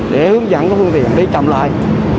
để hướng dẫn phương tiện đi chậm lại